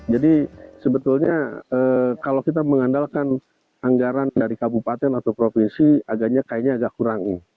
jadi sebetulnya kalau kita mengandalkan anggaran dari kabupaten atau provinsi agaknya kayaknya agak kurang